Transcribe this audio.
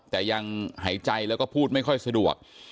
แต่ยังหายใจแล้วก็พูดไม่ค่อยสะดวก